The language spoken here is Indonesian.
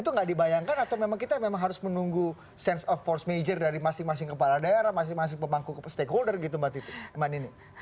itu nggak dibayangkan atau memang kita memang harus menunggu sense of force major dari masing masing kepala daerah masing masing pemangku stakeholder gitu mbak titi mbak nini